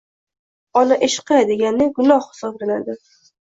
“Ona ishqi” degani gunoh hisoblanadi.